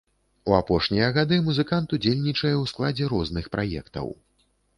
У апошнія гады музыкант удзельнічае ў складзе розных праектаў.